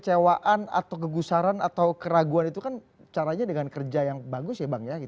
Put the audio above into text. kecewaan atau kegusaran atau keraguan itu kan caranya dengan kerja yang bagus ya bang ya